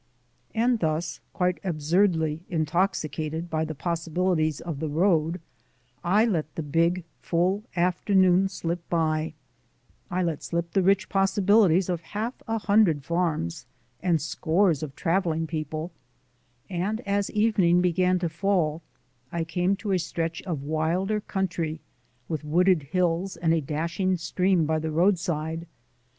And thus quite absurdly intoxicated by the possibilities of the road, I let the big full afternoon slip by I let slip the rich possibilities of half a hundred farms and scores of travelling people and as evening began to fall I came to a stretch of wilder country with wooded hills and a dashing stream by the roadside.